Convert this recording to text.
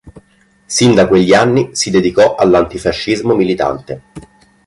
Sin da quegli anni si dedicò all'antifascismo militante.